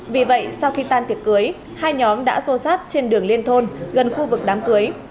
vì vậy sau khi tan tiệc cưới hai nhóm đã xô sát trên đường liên thôn gần khu vực đám cưới